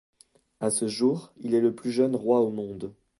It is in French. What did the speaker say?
À ce jour, il est le plus jeune roi au monde.